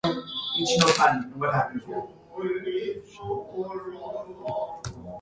A portion is in Dunn County.